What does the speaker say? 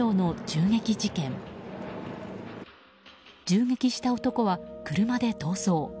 銃撃した男は車で逃走。